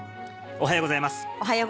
おはようございます。